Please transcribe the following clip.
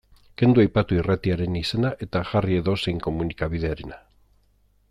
Kendu aipatu irratiaren izena eta jarri edozein komunikabiderena.